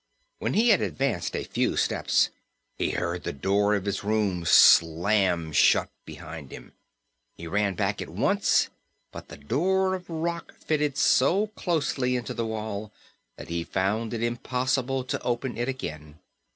When he had advanced a few steps he heard the door of his room slam shut behind him. He ran back at once, but the door of rock fitted so closely into the wall that he found it impossible to open it again.